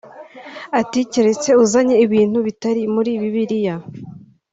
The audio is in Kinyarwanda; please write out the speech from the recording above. Ati “Keretse uzanye ibintu bitari muri bibiliya